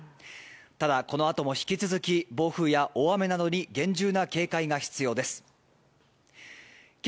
ただこのあとも引き続き暴風や大雨などに厳重な警戒が必要です。